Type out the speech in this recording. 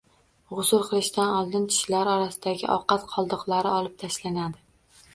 G‘usl qilishdan oldin tishlar orasidagi ovqat qoldiqlari olib tashlanadi.